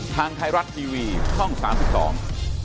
ทางไทยรัฐทีวีช่องสามสิบสอง